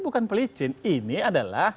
bukan pelicin ini adalah